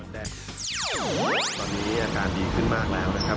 ตอนนี้อาการดีขึ้นมากแล้วนะครับ